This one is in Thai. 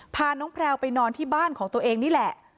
พาน้องแพลวไปนอนที่บ้านของตัวเองนี่แหละ